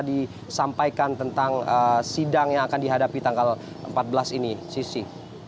disampaikan tentang sidang yang akan dihadapi tanggal empat belas ini sisi